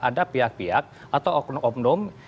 ada pihak pihak atau oknum oknum